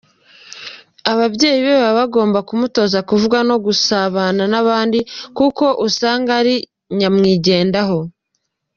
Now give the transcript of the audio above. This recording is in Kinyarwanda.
Ababyeyi be baba bagomba kumutoza kuvuga no gusabana n’abandi kuko usanga ari nyamwigendaho.